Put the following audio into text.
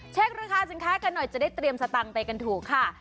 ราคาสินค้ากันหน่อยจะได้เตรียมสตังค์ไปกันถูกค่ะ